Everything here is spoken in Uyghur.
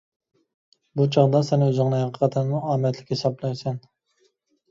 بۇ چاغدا سەن ئۆزۈڭنى ھەقىقەتەنمۇ ئامەتلىك ھېسابلايسەن.